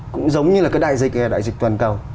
cũng giống như là cái đại dịch đại dịch toàn cầu